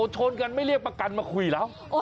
ชนกันไม่เรียกประกันมาคุยแล้ว